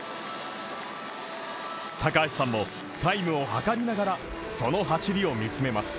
高橋さんも、タイムを計りながらその走りを見つめます。